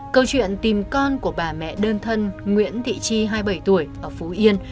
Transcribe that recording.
câu chuyện tìm con của bà mẹ đơn thân nguyễn thị chi hai mươi bảy tuổi ở phú yên